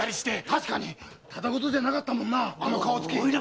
確かにただごとじゃなかったもんなあの顔つき。